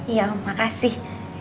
iya om makasih